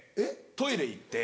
トイレ行って。